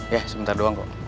yah sebentar doang kok